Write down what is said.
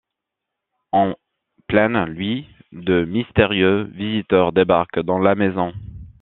En pleine lui, de mystérieux visiteurs débarquent dans la maison.